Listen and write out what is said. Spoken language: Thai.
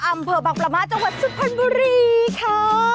อำเภอบักประมาณจังหวัดสุภัณฑมรีค่ะ